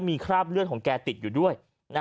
มีคราบเลือดของแกติดอยู่ด้วย